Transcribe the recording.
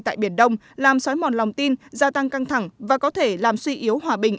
tại biển đông làm xói mòn lòng tin gia tăng căng thẳng và có thể làm suy yếu hòa bình